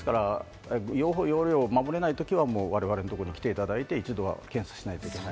用法・用量を守れないときは我々のところに来ていただいて、一度検査しないといけない。